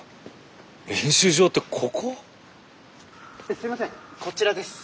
すいませんこちらです。